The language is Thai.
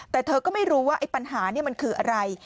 แต่เธอก็ไม่รู้ว่าไอ้ปัญหานี่มันคืออะไร